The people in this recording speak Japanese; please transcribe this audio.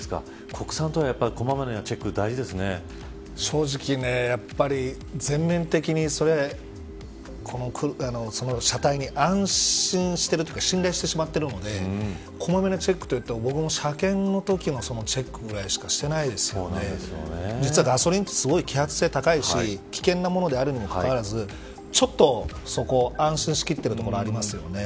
国産とはいえ正直やっぱり、全面的にその車体に安心しているというか信頼してしまっているのでこまめなチェックというと車検のときのチェックぐらいしかしてないですので実はガソリンってすごい揮発性が高いし危険なものであるにもかかわらずちょっとそこ、安心しきっているところありますよね。